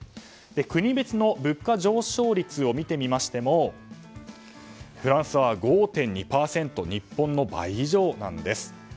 国別の物価上昇率を見てみましてもフランスは５．２％日本の倍以上なんです。